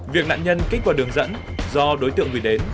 việc nạn nhân kích vào đường dẫn do đối tượng gửi đến